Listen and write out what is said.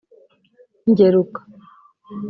Ngeruka